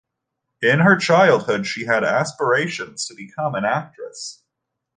In her childhood, she had aspirations to become an actress.